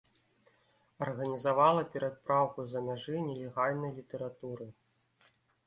Арганізавала перапраўку з-за мяжы нелегальнай літаратуры.